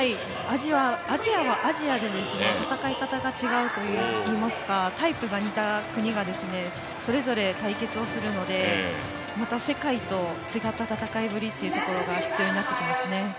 アジアは、アジアで戦い方が違うといいますかタイプが似た国がそれぞれ対決するのでまた世界と違った戦いぶりというところが必要になってきますね。